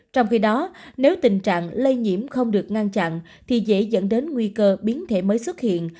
trong khi đó nếu tình trạng lây nhiễm không được ngăn chặn thì dễ dẫn đến nguy cơ biến thể mới xuất hiện